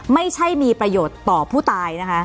ไม่ใช่มีประโยชน์ต่อผู้ตายนะคะ